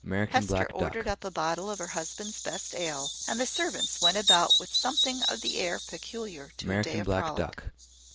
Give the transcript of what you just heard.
Hester ordered up a bottle of her husband's best ale, and the servants went about with something of the air peculiar to a day of frolic.